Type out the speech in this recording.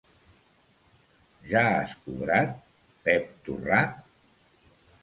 Ja has cobrat, Pep Torrat!